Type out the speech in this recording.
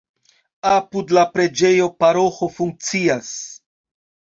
Apud la preĝejo paroĥo funkcias.